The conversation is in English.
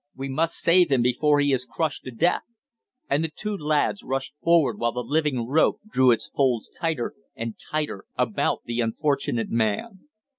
We must save him before he is crushed to death!" And the two lads rushed forward while the living rope drew its folds tighter and tighter about the unfortunate man.